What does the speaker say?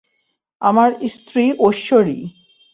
আমার স্ত্রী ঈশ্বরী।